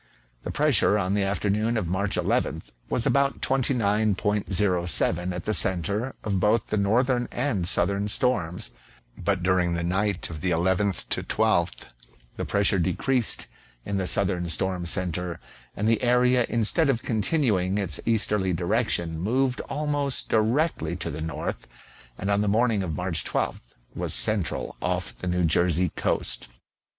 The pressure on the afternoon of March 1 1th was about 29.07 at the centre of both the northern and southern storms, but during the night of the 11 12th the pressure decreased in the southern storm centre, and the area instead of continuing its easterly direction moved almost directly to the north, and on the morning of March 12th was central off the New Jersey coast.